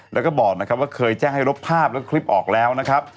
แล้วก็บอกนะครับว่าเคยแจ้งให้รบภาพแล้วก็คลิปออกแล้วนะครับ